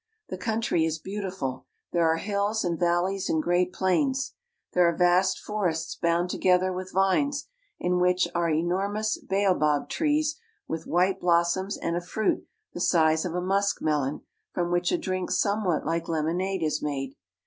The country is beautiful, there are hills and valleys and great plains. There are vast forests bound together with vines, in which ("■■are enormous baobab trees with white blossoms and a fruit , the size of a musk melon from which a drink somewhat like lemonade is made.